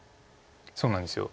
そうなんです